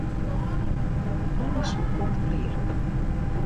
Alles komt klear.